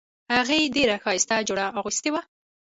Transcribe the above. هغې ډیره ښایسته جوړه اغوستې وه